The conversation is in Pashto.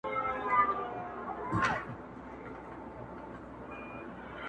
له اسمان مي ګيله ده-